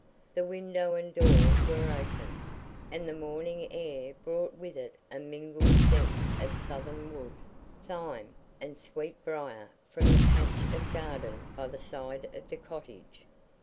The window and door were open, and the morning air brought with it a mingled scent of southernwood, thyme, and sweet briar from the patch of garden by the side of the cottage.